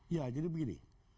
ya jadi begini